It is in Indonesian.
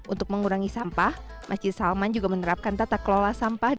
untuk mengurangi sampah masjid salman juga menerapkan tata kelola sampah